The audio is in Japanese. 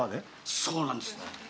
そうなんです。